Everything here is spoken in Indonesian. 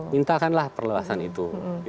mintakanlah perluasan itu